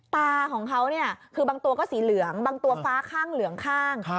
ตาของเขาเนี่ยคือบางตัวก็สีเหลืองบางตัวฟ้าข้างเหลืองข้าง